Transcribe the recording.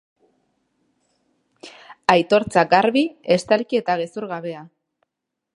Aitortza garbi, estalki eta gezur gabea.